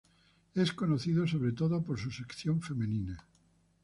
Es conocido sobre todo por su sección femenina.